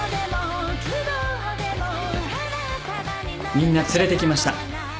みんな連れてきました。